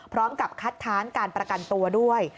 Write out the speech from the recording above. พร้อมกับคัดค้านการประกันตัวด้วย